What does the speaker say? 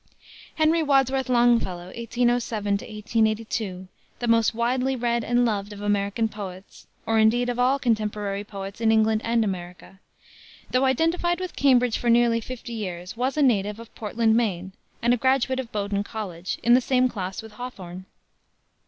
Henry Wadsworth Longfellow (1807 1882) the most widely read and loved of American poets or indeed, of all contemporary poets in England and America though identified with Cambridge for nearly fifty years was a native of Portland, Maine, and a graduate of Bowdoin College, in the same class with Hawthorne.